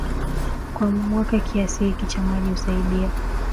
kwa mwaka Kiasi hiki cha maji husaidia